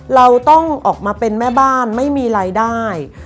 เราต้องออกมาเป็นแม่บ้านไม่มีรายได้